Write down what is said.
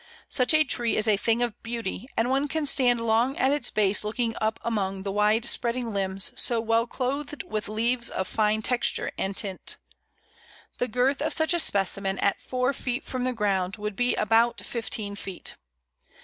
Such a tree is a thing of beauty, and one can stand long at its base looking up among the wide spreading limbs so well clothed with leaves of fine texture and tint. The girth of such a specimen at four feet from the ground would be about fifteen feet.